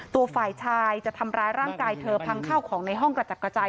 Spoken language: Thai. ตัวฝ่ายชายจะทำร้ายร่างกายเธอพังข้าวของในห้องกระจัดกระจาย